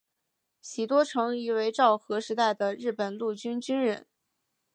喜多诚一为昭和时代的日本陆军军人。